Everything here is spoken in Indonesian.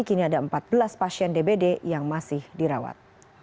kini ada empat belas pasien dbd yang masih dirawat